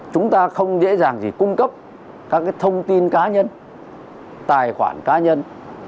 chúng ta không dễ dàng gì cung cấp các thông tin cá nhân tài khoản cá nhân